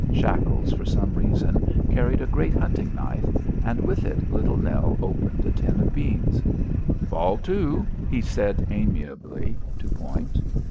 Shackles, for some reason, carried a great hunting knife, and with it Little Nell opened a tin of beans. "Fall to," he said amiably to Point.